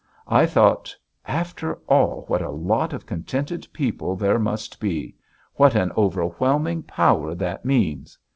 I thought: 'After all, what a lot of contented, happy people there must be! What an overwhelming power that means!